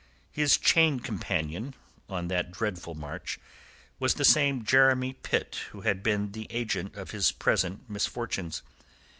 His chain companion on that dreadful march was the same Jeremy Pitt who had been the agent of his present misfortunes.